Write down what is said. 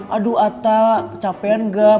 aduh atta capean gak